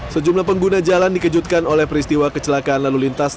sejumlah pengguna jalan dikejutkan oleh peristiwa kecelakaan lalu lintas